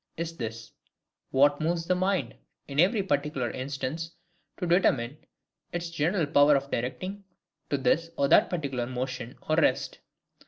is this,—What moves the mind, in every particular instance, to determine its general power of directing, to this or that particular motion or rest?